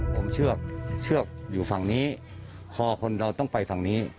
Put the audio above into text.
ผมเชือกเชือกอยู่ฝั่งนี้คอคนเราต้องไปฝั่งนี้